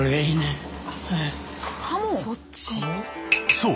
そう。